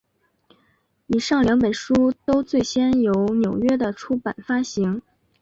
以上两本书都最先由纽约的出版发行。